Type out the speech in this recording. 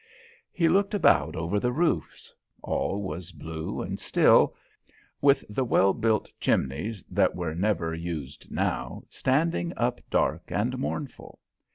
He looked about over the roofs; all was blue and still, with the well built chimneys that were never used now standing up dark and mournful.